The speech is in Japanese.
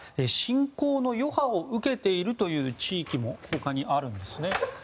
侵攻の余波を受けているという地域もほかにあるんですね。